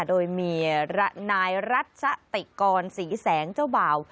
โดยเมียนายรัชติกรศรีแสงเจ้าบ่าว